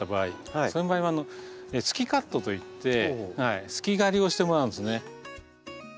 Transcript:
そういう場合は「すきカット」といってすき刈りをしてもらうんですね。